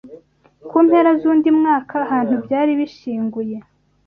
ku mpera z’undi mwaka ahantu byari bishyinguye